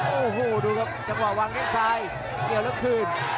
โอ้โหดูครับจังหวะวางแข้งซ้ายเกี่ยวแล้วคืน